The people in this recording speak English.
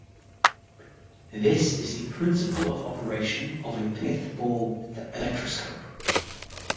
This is the principle of operation of a pith-ball electroscope.